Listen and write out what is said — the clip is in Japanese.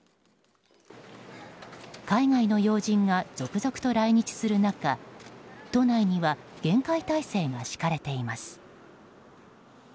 海外の要人が続々と来日する中都内には厳戒態勢が敷かれています。